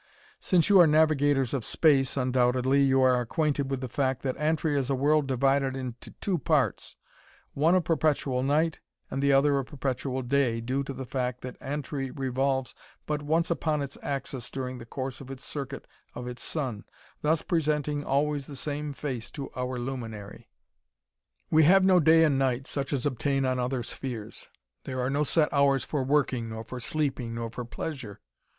"Since you are navigators of space, undoubtedly, you are acquainted with the fact that Antri is a world divided into two parts; one of perpetual night, and the other of perpetual day, due to the fact that Antri revolves but once upon its axis during the course of its circuit of its sun, thus presenting always the same face to our luminary. "We have no day and night, such as obtain on other spheres. There are no set hours for working nor for sleeping nor for pleasure.